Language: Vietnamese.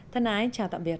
thân ái chào tạm biệt